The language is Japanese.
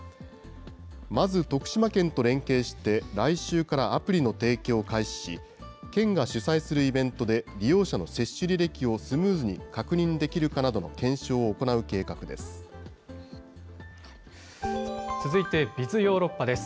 まず徳島県と連携して、来週からアプリの提供を開始し、県が主催するイベントで、利用者の接種履歴をスムーズに確認できるかなどの検証を行う計画続いてＢｉｚヨーロッパです。